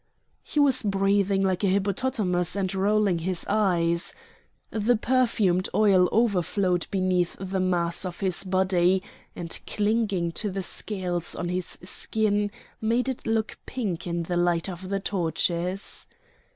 He was breathing like a hippopotamus and rolling his eyes. The perfumed oil overflowed beneath the mass of his body, and clinging to the scales on his skin, made it look pink in the light of the torches.